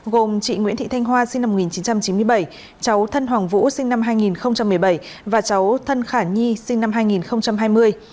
gồm chị nguyễn thị thanh hoa sinh năm một nghìn chín trăm chín mươi bảy cháu thân hoàng vũ sinh năm hai nghìn một mươi bảy và cháu thân khả nhi sinh năm hai nghìn hai mươi